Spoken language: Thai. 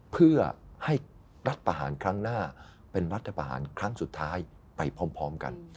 เพื่อให้รัฐประหารครั้งหน้าเป็นรัฐประหารครั้งสุดท้ายไปพร้อมกัน